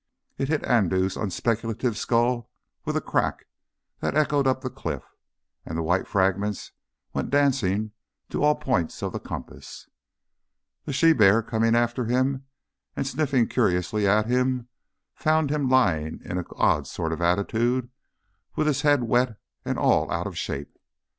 It hit Andoo's unspeculative skull with a crack that echoed up the cliff, and the white fragments went dancing to all the points of the compass. The she bear coming after him and sniffing curiously at him, found him lying in an odd sort of attitude, with his head wet and all out of shape.